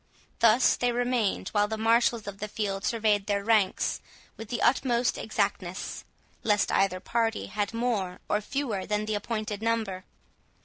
Thus they remained while the marshals of the field surveyed their ranks with the utmost exactness, lest either party had more or fewer than the appointed number.